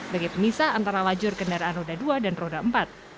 bagi pemisah antara lajur kendaraan roda dua dan roda empat